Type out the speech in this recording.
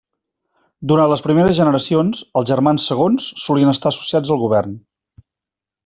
Durant les primeres generacions els germans segons solien estar associats al govern.